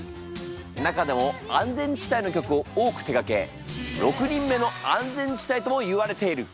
中でも安全地帯の曲を多く手がけ６人目の安全地帯ともいわれている。